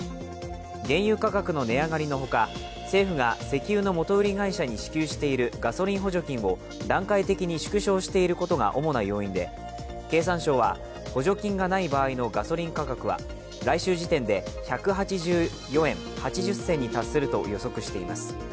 原油価格の値上がりのほか、政府が石油の元売り会社に支給しているガソリン補助金を段階的に縮小していることが主な要因で経産省は、補助金がない場合のガソリン価格は来週時点で１８４円８０銭に達すると予測しています。